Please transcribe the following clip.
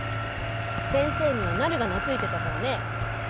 先生にはなるが懐いてたからね。